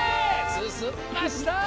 すすみました。